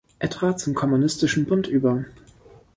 Er trat zum Kommunistischen Bund über.